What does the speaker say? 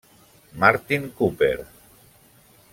Martin Cooper: